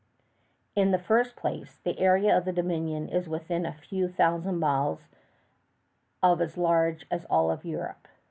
{viii} In the first place, the area of the Dominion is within a few thousand miles of as large as all Europe.